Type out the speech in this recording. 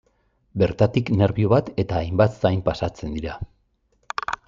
Bertatik nerbio bat eta hainbat zain pasatzen dira.